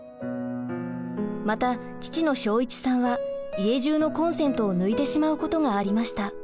また父の昭市さんは家じゅうのコンセントを抜いてしまうことがありました。